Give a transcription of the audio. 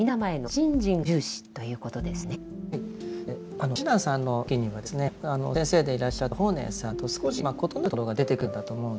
あの親鸞さんの時にはですね先生でいらっしゃった法然さんと少し異なるところが出てくるんだと思うんです。